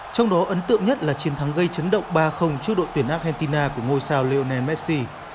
trong đó ấn tượng nhất là chiến thắng gây chấn động ba trước đội tuyển argentina của ngôi sao leunessi